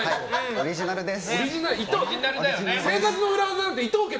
オリジナルです。